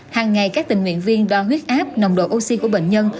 hàng ngày các tình nguyện viên đo huyết áp nồng độ oxy của bệnh nhân